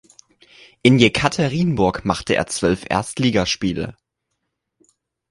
In Jekaterinburg machte er zwölf Erstligaspiele.